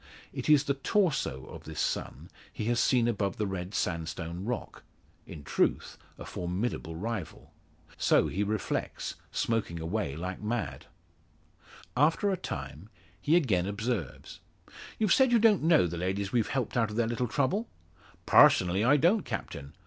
It is the torso of this son he has seen above the red sandstone rock. In truth, a formidable rival! So he reflects, smoking away like mad. After a time, he again observes: "You've said you don't know the ladies we've helped out of their little trouble?" "Parsonally, I don't, captain.